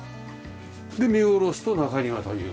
で見下ろすと中庭という。